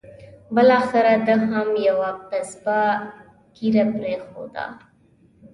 بالاخره ده هم یوه قبضه ږیره پرېښوده.